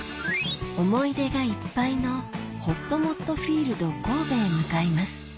思い出がいっぱいのほっともっとフィールド神戸へ向かいます